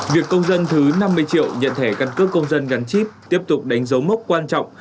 việc công dân thứ năm mươi triệu nhận thẻ căn cước công dân gắn chip tiếp tục đánh dấu mốc quan trọng